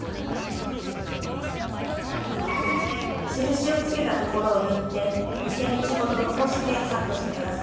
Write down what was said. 印をつけたところを縫って２ｃｍほど残してカットして下さい。